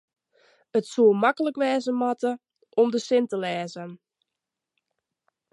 it soe maklik wêze moatte om de sin te lêzen